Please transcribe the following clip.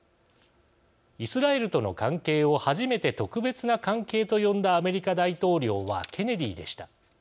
イスラエルとの関係を初めて特別な関係と呼んだアメリカ大統領はケネディでした。